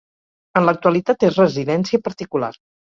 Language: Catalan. En l'actualitat és residència particular.